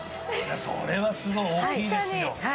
それはすごい大きいですよ。